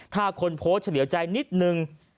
ถ้าคนโพสต์เฉลี่ยวใจนิดนึง